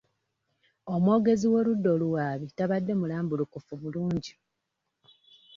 Omwogezi w'oludda oluwaabi tabadde mulambulukufu bulungi.